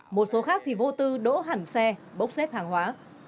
một số khác thì vô tư đỗ hẳn xe bốc xếp hàng hóa